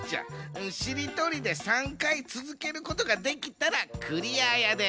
しりとりで３かいつづけることができたらクリアやで。